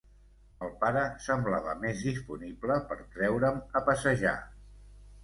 El pare semblava més disponible per treure'm a passejar.